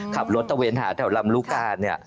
ขับรถตะเวนหาแถวลำลูกกาเนี่ย